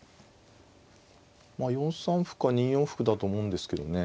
まあ４三歩か２四歩だと思うんですけどね